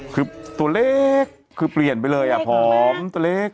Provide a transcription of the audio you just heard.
คือตัวเล็กคือเปลี่ยนไปเลยผอมตัวเล็ก